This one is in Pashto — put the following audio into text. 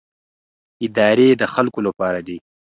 ادارې د خلکو لپاره دي